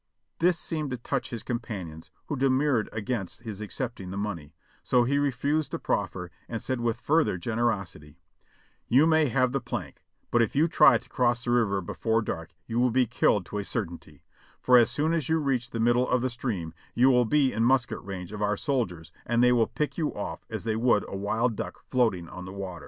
This seemed to touch his companions, who demurred against his accepting the money, so he refused the proffer, and said with further generosity: "You may have the plank, but if you try to cross before dark you will be killed to a certainty; for as soon as you reach the middle of the stream you will be in musket range of our soldiers and they will pick you off as they would a wild duck floating on the water."